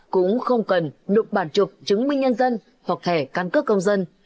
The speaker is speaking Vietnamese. cũng không cần đụng bản chụp chứng minh nhân dân hoặc thẻ căn cước công dân